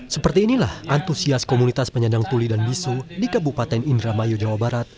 seperti inilah antusias komunitas penyandang tuli dan bisu di kabupaten indramayu jawa barat